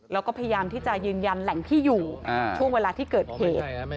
แล้วก็พยายามที่จะยืนยันแหล่งที่อยู่ช่วงเวลาที่เกิดเหตุ